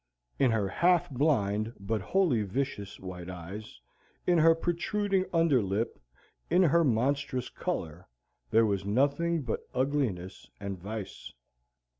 In her half blind but wholly vicious white eyes, in her protruding under lip, in her monstrous color, there was nothing but ugliness and vice.